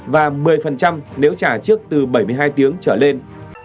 và một mươi nếu trả trước từ bảy mươi hai tiếng trở lên